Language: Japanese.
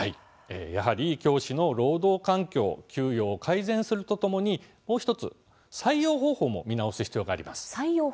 やはり教師の労働環境給与を改善するとともにもう１つに採用方法も見直す必要があります。